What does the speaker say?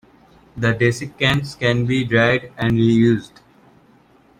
The desiccants can be dried and reused.